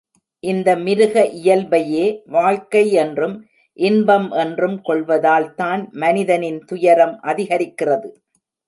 இந்த மிருக இயல்பையே வாழ்க்கை என்றும், இன்பம் என்றும் கொள்வதால் தான் மனிதனின் துயரம் அதிகரிக்கிறது.